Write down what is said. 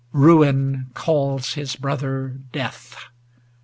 Ruin calls His brother Death